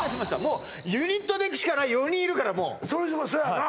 もうユニットでいくしかない４人いるからもうそうやんな